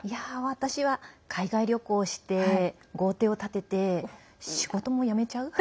私は海外旅行して豪邸を建てて仕事も辞めちゃう？